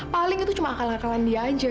paling itu cuma akal akalan dia aja